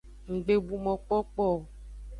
Nggbebu mokpokpo o.